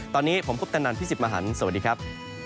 ตอนนี้ผมคุปตนันพี่สิทธิ์มหันฯสวัสดีครับ